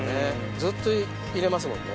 ずっといれますもんね。